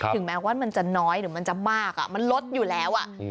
ถึงแม้ว่ามันจะน้อยหรือมันจะมากมันลดอยู่แล้ว